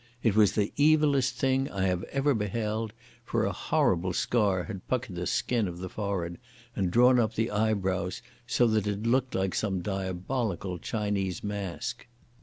It was the evillest thing I have ever beheld, for a horrible scar had puckered the skin of the forehead and drawn up the eyebrows so that it looked like some diabolical Chinese mask.